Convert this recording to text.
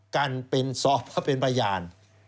กันเป็นสอบแล้วเป็นพยาน